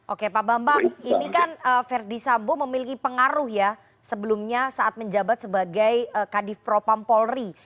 oke pak bambang ini kan verdi sambo memiliki pengaruh ya sebelumnya saat menjabat sebagai kadif propam polri